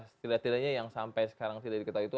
setidak tidaknya yang sampai sekarang tidak diketahui itu